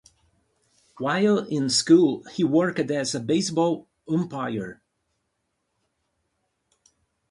While in school, he worked as a baseball umpire.